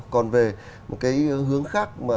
còn về một cái hướng khác